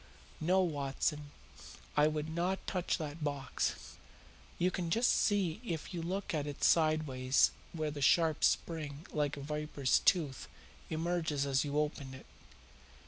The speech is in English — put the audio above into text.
No, Watson, I would not touch that box. You can just see if you look at it sideways where the sharp spring like a viper's tooth emerges as you open it.